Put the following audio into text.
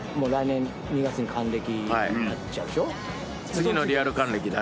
次のリアル還暦誰？